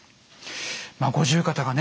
五十肩がね